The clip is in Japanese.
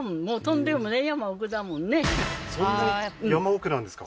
そんなに山奥なんですか？